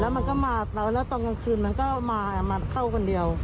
มันก็มาแล้วตอนกลางคืนมันก็มาเข้าคนเดียว